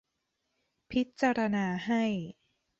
พิจารณาให้